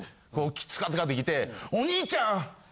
ツカツカって来てお兄ちゃん！